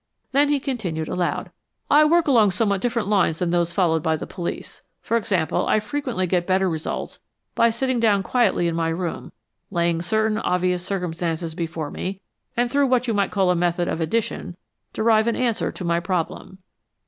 Then he continued aloud, "I work along somewhat different lines than those followed by the police. For example, I frequently get better results by sitting down quietly in my room, laying certain obvious circumstances before me, and, through what you might call a method of addition, derive an answer to my problem."